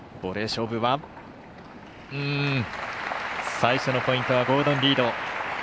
最初のポイントはゴードン・リード。